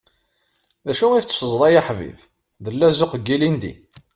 D acu i tteffẓeḍ, a ḥbibi? D llazuq n yilindi.